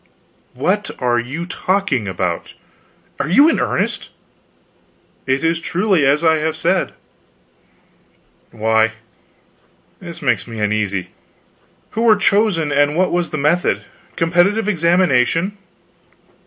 "What are you talking about? Are you in earnest?" "It is truly as I have said." "Why, this makes me uneasy. Who were chosen, and what was the method? Competitive examination?"